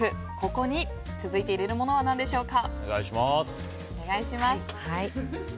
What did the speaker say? ここに続いて入れるものは何でしょうか？